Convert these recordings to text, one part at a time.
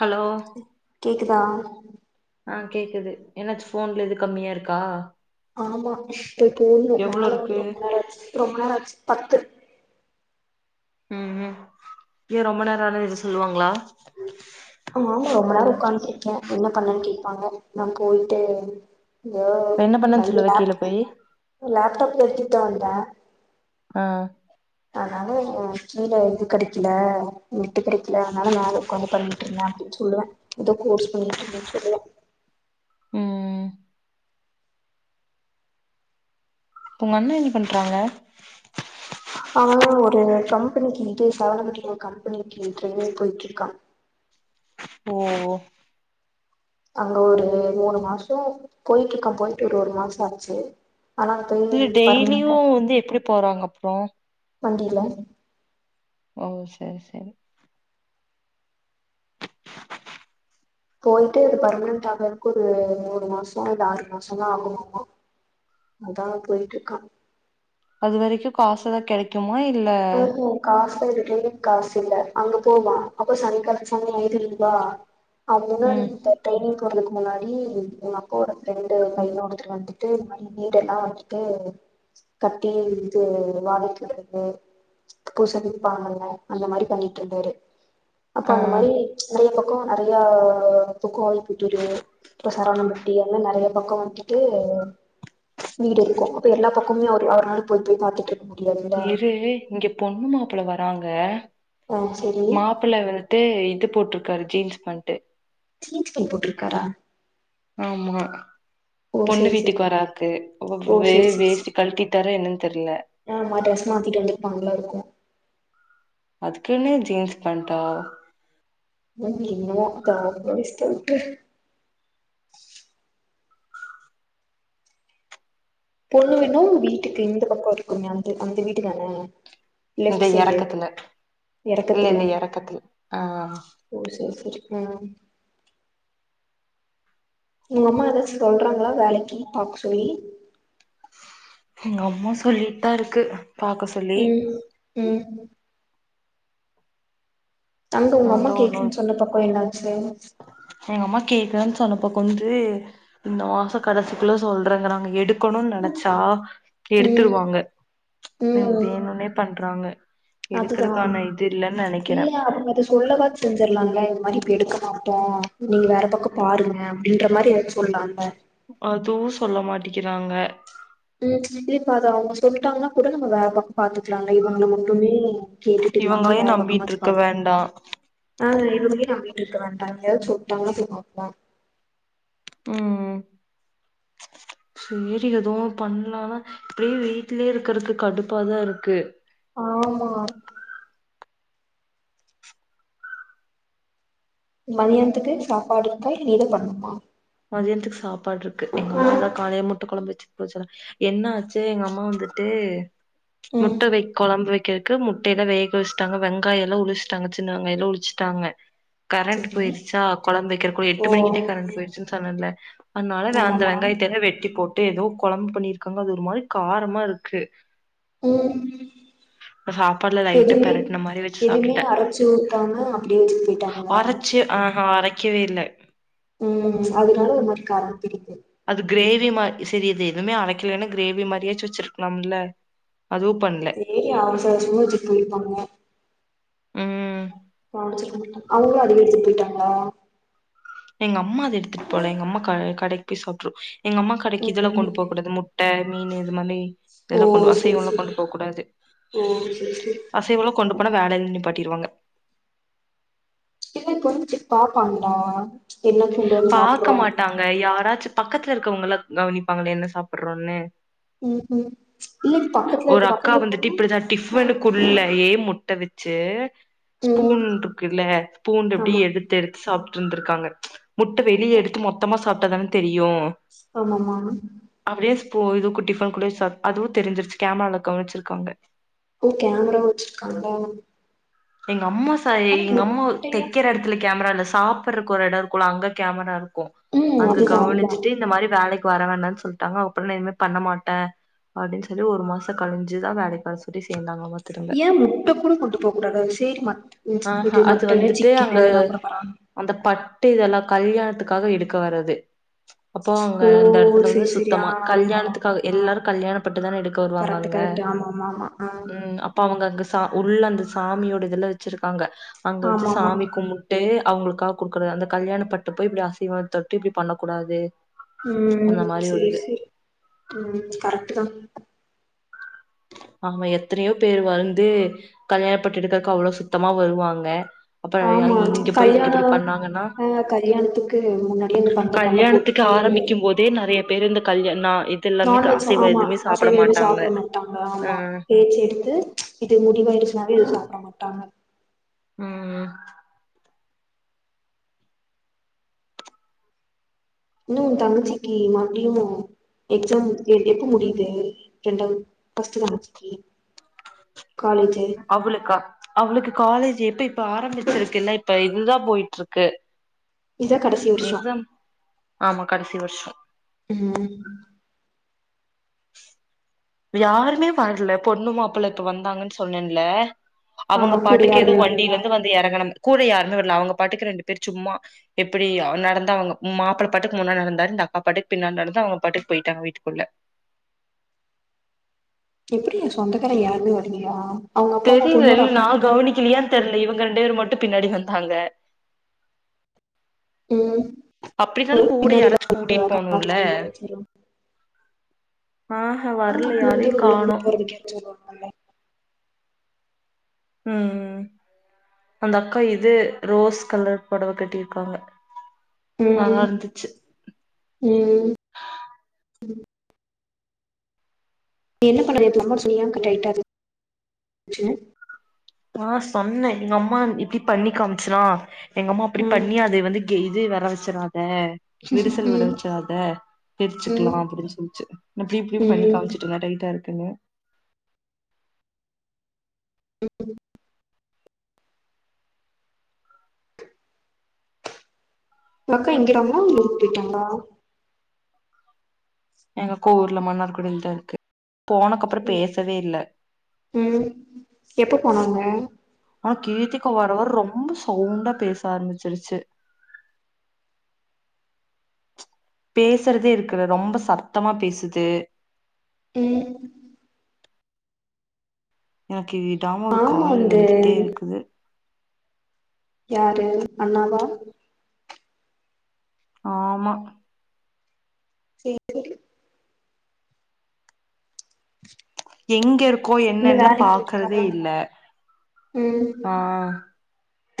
Hello கேக்குதா ஆ கேக்குது என்னாச்சு ஃபோன்ல இது கம்மியா இருக்கா ஆமா இப்ப போணு எவ்ளோ மேல இருக்கு வந்து ரொம்ப நேரோ ஆச்சி ரொம்ப நேரோ ஆச்சி பத்து ம் ம் ஏ ரொம்ப நேரோ இருந்த இது சொல்லுவாங்களா ம் ஆமா ரொம்ப நேரோ உக்கான்டு கேக்கே என்ன பண்ணன்னு கேப்பாங்க நா போய்ட்டு தோ இப்ப என்ன பண்ணன்னு மறுபுடி சொல்லுவ கீழ லாப் போயி லாப்டாப் எத்தித்தா வந்தே ஆ அதனால கீழ இது கெடக்கல நெட்டு கெடக்கல அதனால மேல ஒக்காந்து பண்ணி அப்டின் சொல்லுவே ஏதோ கோர்ஸ் பண்ணிட்டு இருக்கேனு சொல்லுவே ம் ம் அப்ப ஒங்க அண்ணே என்ன பண்றாங்க அவனு ஒரு கம்பெனிக்கு இதே சரவணம்பட்டி ஒரு கம்பெனிக்கு டிரெய்னிங் போயிட்டு இருக்கா ஓ ஓ அங்க ஒரு மூனு மாசோ போய்ட்டு இருக்க போயிட்டு ஒரு ஒரு மாசோ ஆச்சு ஆனா இல்ல போய் டெய்லியு பர்மனென்ட்டா வந்து எப்டி போறாங்க அப்றோ வண்டியில ஓ செரி செரி போய்ட்டு அது பர்மனட் ஆகுறதுக்கு ஒரு மூனு மாசோ இது ஆறு மாசோ ஆகுமா மா அதா போயிட்டு இருக்கா அது வரைக்கு காசுதா கெடைக்குமா இல்ல காசுல எதுக்கமே காசு இல்ல அங்க போவா அப்ப சனிக்காலழத்து சம்பள ஐந்து ரூபா [unintelligible] அது முன்னாடி ம் இருந்து ட்ரைனிங் போறதுக்கு முன்னாடி எங்க அப்பாவோட ப்ரெண்டு பைய ஒருத்தர் வந்துட்டு இதுமாரி வீடெல்லா ட்டு கட்டி இருந்து வாடகைக்கு விடுறது பூச வெப்பாங்கல்ல அந்த மாரி பண்ணிட்டு இருந்தாரு அப்ப ஆ அந்த மாரி நெறய பம் க்கம் நெறய பக்கம் வ போட்டுரு [unintelligible] இப்ப சரவணம்பட்டி எல்ல நெறய பக்கோ வந்துட்டு வீடு இருக்கு அப்ப எல்லா பக்கமே ஒரு அவ ஒரு நாள் போய் போய் பாத்துட்டு முடியாதுல்ல இரு இங்க பொண்ணு மாப்புள்ள வராங்க ஓ செரி இல்ல வந்துட்டு இது போட்ருக்காரு ஜீன்ஸு பேண்ட்டு ஜூன்ஸ் பேண்ட் போட்டுருக்காரா ஆமா ஓ பொண்ணு செரி செரி வீட்டுக்கு வராக்கு ஓ வே வேஸ்ட்டி கழட்டிட்டார என்னன்னு தெரில்ல ஆ டிரஸ் மாத்திட்டு வந்திருப்பாங்கல்லா இருக்கு அதுக்குனு ஜீன்ஸ் பேண்டா நா என்னமோ ஒ முடிஸ்த [unintelligible] பொண்ணு வீடு வீட்டுக்கு இந்த பக்கோ இருக்குமே அந்த வீடு தான இந்த லெஃப்ட் சைடு எறக்கத்துல இல்ல எறக்கத்துல இல்ல எறக்கத்துல ஆ ஓ செரி செரி ம் உங்க அம்மா ஏதாச்சு சொல்றாங்ளா வேலக்கி பாக்க சொல்லி எங்க அம்மா சொல்லிட்டு தா இருக்கு பாக்க சொல்லி ம் ம் அங்க ஒங்க நான் அம்மா தான் ஒன்னும் கேக்குன் சொன்ன பக்கோ என்னாச்சு எங்க அம்மா கேக்குறேன் சொன்னப்பக்கோ வந்து இந்த மாச கடைசிக்குள்ள சொல்றேன்றாங்க எடுக்கனுன் நெனச்சா ம் எடுத்துருவாங்க ங்க ம் வேணுன்னே பண்றாங்க எடுக்கறக்கான இது இல்லைன்னு நெனக்குறே சொல்லவா செஞ்சரலாங்க இந்த மாரி இப்ப எடுக்க மாட்டோ நீங்க வேற பக்கோ பாருங்க அப்டீன்ற மாரி சொல்லால்ல அதுவு சொல்ல மாட்டிக்கிறாங்க ம் சித்திப்பாதா அவுங்க சொல்லிட்டாங்கன்னா கூட நம்ம வேற பக்கோ பாத்துக்கலா இல்ல இவங்கள மட்டுமே கேட்டுட்டு இல்லாம வேற இவங்களையும் நம்பிட்டு பக்கமாச்சி இருக்க பாக்கலா வேண்டாம். ஆ இவங்களே நம்பிட்டுருக்க வேண்டா எங்கயாவது சொல்ட்டாங்கனா போயி பாக்கலா ம் செரி எதுவும் பன்லானா இப்டியே வீட்லயே இருக்கறதுக்கு கடுப்பாதா இருக்கு ஆமா மதியானத்துக்கு சாப்பாடு இருக்கா இனிமேதா பண்ணணுமா மதியானத்துக்கு சாப்பாடுருக்கு எங்க அம்மா தா காலைல முட்ட கொழம்பு வச்சிட்டு போச்சில என்னாச்சி எங்க அம்மா வந்துட்டு ம் முட்ட வை கொழம்பு வை க்கேறக்கு முட்டயல்லா வேக வஸ்ட்டாங்க வெங்காயோலாம் உறிஸ்ட்டாங்க சின்ன வெங்காயம் எல்லா உறிச்சிட்டாங்க கரண்ட் சரி போயிடுச்சா கொழம்பு வக்கிறக்கு ஓ எட்டு மணிக்கிட்டே கரண்ட்டு போயிருச்சின் சொன்ன இல்ல அதனால அத அந்த ஆமாமா வெங்காயத்தே வெட்டி போட்டு எதோ கொழம்பு பண்ணிருக்காங்க அது ஒரு மாரி காரமா இருக்கு ம் சாப்பாடுல லைட்டா எதுவுமே பெரட்ன மாரி வச்சு எதுவுமே சாப்ட்டுட்டே அரச்சி ஊத்தாமா அப்டே வச்சிட்டு போய்ட்டாங்க இல்ல ஆஹ அரைக்கவே இல்ல ம் அதனால ஒரு மாரி காரம் தெரிது அது கிரேவி மா செரி அது எதுவுமே அரைக்கலன்னு கிரேவி மாரியாச்சி வச்சிருக்கலாம் இல்ல அதுவு பண்ல செரி அவசர அவசரமா வச்சிட்டு போயிருப்பாங்க ம் பணத்த குடுத்து அவுங்களும் அத எடுத்துட்டு போயிட்டாங்களா எங்க அம்மா அத எடுத்துட்டு போல எங்க அம்மா க கடைக்கு போயி சாப்ட்டுரும் எங்க அம்மா கடைக்கு இதுலாம் கொண்டு போ ம் கூடாது முட் ட மீனு இது மாரி ஓ இதெல்லா கொண்டு சேரி அசைவம்லா சேரி கொண்டு போக்கூடாது ஓ சேரி சேரி அ அசைவம்லா கொண்டு போனா வேலயில் நிப்பாட்டிருவாங்க இன்னு கொஞ்சோ பாப்பாங்களா என்ன கொ பாக்க மாட்டாங்க யாராச்சி பக்கத்துல இருக்கவங்கள கவனிப்பாங்களே என்ன சாப்பறோன்னு ம் ம் இல்ல இது பக்கத்துல இருக்கு பக்கத்துல இருக்கவங்களையும் மோண்டு குள்ளயே முட்ட வச்சி ஸ்பூன் ம் இருக்குல்ல பூண்டு அப்டி ஆமா எடுத்து எடுத்து சாப்ட்டுருந்துருக்காங்க முட்ட வெளிய எடுத்து மொத்தமா சாப்ட்டதானா தெரியும் ஆமாமா அப்டே ஸ்பூன் இது டிஃபன் குள்ளே சாப் அதுவும் தெரிஞ்சிருச்சி கேமரால கவனிச்சிருக்காங்க ஓ கேமரா வச்சிருக்காங்களா எங்க அம்மா சாயி ஆனா எங்க அம்மா முட்டையா தெக்கிற எடத் துல கேமரா இல்ல சாப்பறக்கு ஒரு எடம் இருக்குல்ல அங்க கேமரா இருக்கும் ம் அங்க அதுதா அதுதா கவனிச்சிட்டு இந்த மாரி வேலைக்கு வர வேண்டான் சொல்ட்டாங்க அப்புறோ நா இனிமே பண்ண மாட்ட அப்டின் சொல்லி ஒரு மாசோ கழி்ஞ்சிதா வேலைக்கு வர சொல்லி சேந்தாங்களாமா ஏன் முட்ட கூட கொண்டு போ கூடாதா சி மட் ஆஹா இது அது மட்டனு வந்துட்டு அங்க சிக்கனு அதல்லா குடுப்பாரா அந்த பட்டு இதல்லா கல்யாணத்துக்காக எடுக்க வரது அப்போ அங்க ஓ அந்த எடத்துல செரி வந்து செரி சுத்தமா ஆ ஆமா கல்யாணத்துக்காக ஆமா ஆ எல்லாரும் கல்யாணப்பட்டு தான எடு க்க வருவாங்க கரெக்ட் அங்க கரெக்ட் ஆமா ஆமா ஆமா ஆ ம் அப் ப அவுங்க அங்க சா உள்ள அந்த சாமியோட இதுல வச்சிருக்காங்க அங்க வச்சி ஆமா ஆமா சாமி கும்பு ட்டு அவுங்களுக்கா குடுக்கற அந்த கல்யாண பட்டு போய் இப்டி அசைவம் தொட்டு இப்டி பண்ணக்கூடாது ம் செரி செரி ம் கரெக்ட்டு தா ஆமா எத்தனையோ பேர் வந்து கல்யாண பட்டேடுக்க அவ்ளோ சுத்தமா வருவாங்க அப்பறோ ஆமா இங்க போய் இவங்க கல்யாணோ இப்டி பண்ணாங்கன்னா ஆ கல்யாணத்துக்கு முன்னாடியே அந்த பந்தக்கால்லா போட் த்துக்கு ஆரம்பிக்கும் போதே நறைய பேர் இந்த கல்யாண் நா இத் நான்வெஜ் ஆமா‌ அசைவோ எதுமே சாப்டமாட் மாட்டாங்க ஆமா ம் பேச்சி எடுத்து இது முடிவாயிருச்சனாலே இது சாப்பட மாட்டாங்க ம் ம் இன்னும் உ தங்கச்சிக்கி மட்டியு எக்ஸாம் எ எப்ப முடியுது ரெண்டாவது ஃபஸ்ட்டு தக்காச்சிக்கி காலேஜு அவளுக்கா அவளுக்கு காலேஜ் எப்ப இப்ப ஆரம்பிச்சிருக்கெல்ல இப்ப இதுதா போயிட்டுருக்கு இதா கடைசி வருஷோ எக்ஸாம் ஆமா கடைசி வருஷோ ம் யாருமே வர்ல பொண்ணு மாப்புள்ள இப்ப வந்தாங்கன்னு சொன்னேன்ல அவுங்க ஆமா கூட பாட்டுக்கு யாருமே எதுவு வரலையா வண்டியிலருந்து வந்து எறங்கணாங்க கூட யாருன்னு வரல்ல அவுங்க பாட்டுக்கு ரெண்டு பேர் சும்மா எப்பிடி நடந்தா அவுங்க மாப்புள்ள பாட்டுக்கு முன்னா நடந்தாரு இந்த அக்கா பாட்டுக்கு பின்னா நடந்தா அவுங்க பாட்டுக்கு போயிட்டாங்க வீட்டுக்குள்ள எப்படியா சொந்தக்காரங்க யாருமே வர்லையா தெரியலல் நா கவனிக்கலையா தெர்ல இவுங்க ரெண்டு பேரு மட்டு பின்னாடி வந்தாங்க ம் அப்டினாலு ஒரு கூட பின்னாடி [inaudible] யாராச்சு கூட்டிட்டு கார்ல் போணுல்ல அந்த மாதிரி வச்சருந்தாங்க ஆ ஹா வர் [inaudible] ம் ம் அந்த அக்கா இது ரோஸ் கலர் பொடவ கட்டியிருக்காங்க ம் ம் நீ என்ன பண்ணது [inaudible] டைட்டாருக்கு பிரச்சன ஆ சொன்னே எங்க அம்மா இப்பிடி பண்ணி காமிச்சுனா எங்க அம்மா அப்புடி ம் பண்ணி அது வந்து இங்கே இது வர வச்சறாத விரிசல் விட ம் வச்சிடாத தெச்சுக்கலா ம் அப்புடின்னு சொல்ச்சு அப்படி இப்புடி பண்ணி ம் காமிச்சிட்டுருந்தே டைட்டாருக்குன்னு [inaudible] அக்கா எங்க [unintelligible] ஊருக்கு போயிட்டாங்களா எங்கக்கா ஊர்ல மன்னார்குடியில தா இருக்கு போனக்கு அப்புறோ பேசவே இல்ல ம் எப்போ போனாங்க ஆ கீர்த்திகா வர வர ரொம்ப சவுண்டா பேச ஆரம்பிச்சிருச்சு பேசுறதே இருக்குல ரொம்ப சத்தமா பேசுது ம் எனக்கு விடாம ஒரு ஆமா கால் அந்த வந்துட்டே இருக்குது யாரு அண்ணாவா ஆமா சேரி எங்கேருக்கோ இன்னு என்னல்லா வேலைக்கு பாக்கறதே போயிருக்காரா இல்ல ம் ஆ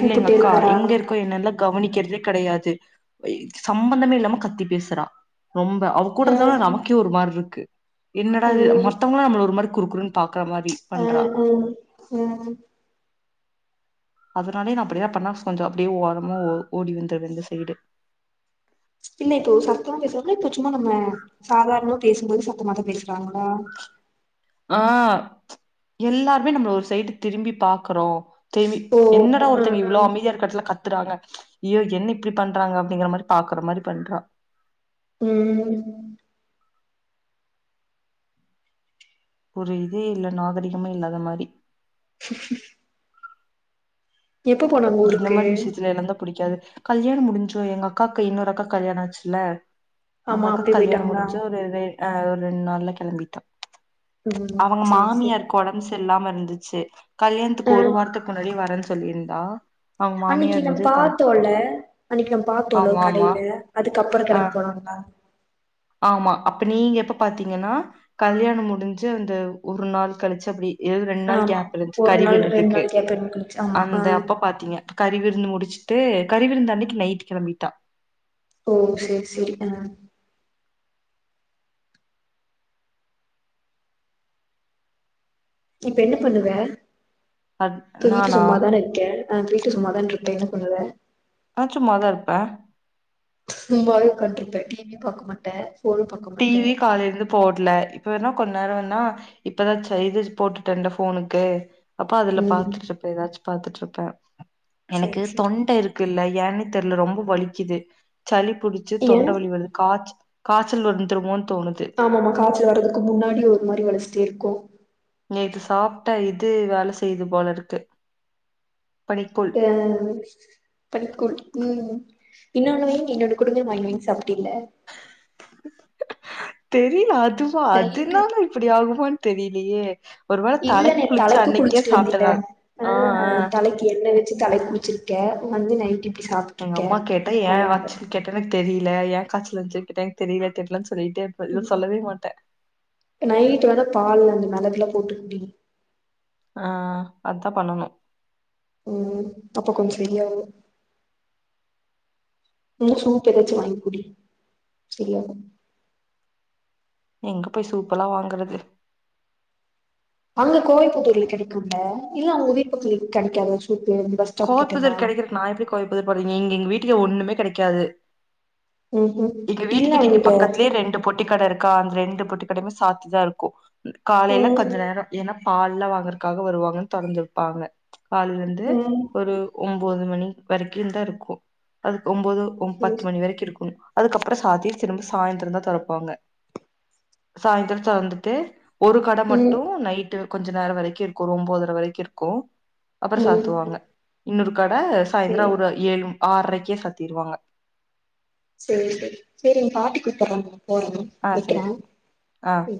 இல்ல எங்கக்கா இருப்பாரா எங்கருக்கோ என்னெல்லா கவனிக்கிறதே கெடையாது எ சம்மந்தமே இல்லாம கத்தி பேசுறா ரொம்ப அவுங் கூடர்தா ம் நமக்கே ஒரு மார்ருக்கு என்னடா இது மத்தவங்களா நம்மள ஒரு மாரி குருக்குருன்னு பாக்கற மாரி அ பண்றா ம் ம் அதுனாலே நா அப்டியெல்ல பண்ணா கொஞ்சொ அப்டியே ஓரமா ஓ ஓடி வந்தர்றே இந்த சைடு இல்ல இப்போ சத்தமா பேசுறாங்களா இப்போ சும்மா நம்ம சாதாரணமா பேசும்போது சத்தமாதா பேசுறாங்களா ஆ எல்லாருமே நம்மள ஒரு சைடு திரும்பி பாக்குறோ தேமி ஓ என்னடா அ ஒருத்தங்க அ இவ்ளோ அமைதியா இருக்குற எடத்துல கத்துறாங்க ய்யோ என்ன இப்டி பண்றாங்க அப்டிங்கிற மாரி பாக்குற மாரி பண்றா [unintelligible] ஒரு இதே இல்ல நாகரிகமே இல்லாத மாரி எப்போ போனாங் இது இந்த மாரி விஷயத்துல எல்லந்தா புடிக்காது கல்யாணம் முடிஞ்சோ எங்க அக்காக்கு இன்னொரு அக்காக்கு கல்யாணோ ஆச்சுல்ல அங்க ஆமா அக்காக் அப்பயே கல்யாண போயிட்டாங்களா முடிஞ்சு ஒரு ரெ ஆ ஒரு ரெண்டு நாள்ல கெளம்பிட்டா ம் அவங்க சேரி சேரி மாமியார் கொடம்பு சரில்லாம இருந்துச்சு கல்யாணத்துக்கு அ ஒரு வாரத்துக்கு முன்னாடி வரேன்னு சொல்லிருந்தா அன்னிக்கு நம்ம பாத்தோல அன்னைக்கு நம்ம பாத்தோல ஆமா ஒரு ஆமா கடைல அதுக்கப்றோ ஆ கெளம்பி போனாங்களா ஆமா அப்ப நீங்க எப்ப பாத்தீங்கன்னா கல்யாணம் முடிஞ்சு அந்த ஒரு நாள் கழிச்சு அப்டி இரவு ரெண்டு நாள் ஆமா கேப் இருந்துச்சு ஒரு கறி நாள் ரெண்டு விருந்துக்கு நாள் கேப் ஆமா ஆ அந்த அப்ப பாத்தீங்க கறி விருந்து முடிச்சுட்டு கறிவிருந்து அன்னைக்கு நைட் கெளம்பிட்டா ஓ செரி செரி ஆ இப்ப என்ன பண்ணுவ அ இப்போ வீட்ல நானா சும்மாதானே இருக்கே ஒ வீட்ல சும்மாதான் இருப்பே என்ன பண்ணுவ நா சும்மாதா இருப்ப சும்மாவே உட்காண்ட்ருப்பே டி வி பாக்க மாட்டே ஃபோனு பா டி வி காலைல இருந்து போடல இப்ப வேணா கொஞ்ச நேரோ வேணா இப்பதா செய்தேஜ் போட்டுட்டேன்ல ஃபோனுக்கு அப்போ அதுல ம் பாத்துட்டுருப்பே எதாச்சு பாத்துட்டுருப்பே எனக்கு சேரி சேரி தொண்ட இருக் குல்ல ஏனே தெர்ல ரொம்ப வலிக்குது சளி புடிச்சு ஏ தொண்ட வலி வருது காச் சல் வந்துருமோன் தோணுது ஆமாமா காச்சல் வரதுக்கு முன்னாடி ஒரு மாரி வலிச்சுட்டே இருக்கு நேத்து சாப்ட்டா இது வேல செய்து போல இருக்கு பனி ஆ பனிக்கூழ் ம் இன்னொன்னு வேணு இன்னோனு குடுங்க வாங்கி வாங்கி சாப்ட்டேல தெரில அதுவா நா இல்ல அதுனால இப்டி ஆகுமான்னு தெரிலியே இல்ல நேத் தலைக்கு குளிச்சிட்டு வந்தில ஆ தலைக் கு எண்ண வச்சு தலைக் குளிச்சிருக்க வந்து நைட்டி எங்க அம்மா கேட்டா ஏ ஆச்சு கேட்டா எனக் தெரில ஏ காச்சல் வந்துச்சுன் கேட்டா எனக்கு தெரில தெரிலன்னனு சொல்லிட்டு இருப்ப இத சொல்லவே மாட்டே நைட் வந்த பால் அந்த மெளகுல்லா போட்டு குடி ஆ அதா பண்ணணு ம் அப்ப கொஞ்சொ செரியாவு இல்ல சூப்பு எதாச்சு வாங்கி குடி சரியாகு எங்க போய் சூப்பலா வாங்கறது அங்க கோவைப்புதூர்ல கெடைக்கும்ல இல்ல உங்க வீட் பக்கத்துல கெடைக்காத சூப்பு ஸ்டாப் கிட்டலா கோவைப்புதுர் கெடைக்கறக்கு நா எப்டி கோவைப்புதுர் போற இங்க எங்க வீட்டுக்கே ஒன்னுமே கெடைக்காது ம் ம் எங்க இல்ல வீட்டுக்கிட்ட இங்க அங்க பக்கத்துலே ரெண்டு பொட்டிக்கட இருக்கு கா அந்த ரெண்டு பொட்டி கடைமே சாத்திதா இருக்கு காலைல கொஞ்ச ம் நேரோ ஏன்னா பால்லா வாங்கறக்காக வருவாங்க தொறந்திருப்பாக கால்லேலே ம் ஒரு ஒம்போது மணி வரைக்கு தா இருக்கு அதுக்கு ஒம்போது ஒ பத்து சேரி மணி வரைக்கு இருக்கணு அதுக்கப்புறோ சாத்திய திரும்ப சாய்ந்தரோ தா தொரப்பாங்க சாய்ந்திரோ தொறந்துட்டு ஒரு கட ம் மட்டு நைட்டு கொஞ்ச நேர வரைக்கு இருக்கு ஒரு ஒம்போதுர வரைக்கு இருக்கு அப்பறோ ம் சாத்துவாங்க இன்னொரு கட சேரி சாய்ந்தரோ ஒரு ஏழு ஆற்ரைக்கே சாத்திருவாங்க செரி செரி செரி எங்க பாட்டி கூப்பட்றாங்க போறே ஆ வெக்கிறே செரி ஆ ம்